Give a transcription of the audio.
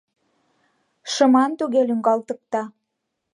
Шыман туге лӱҥгалтыкта...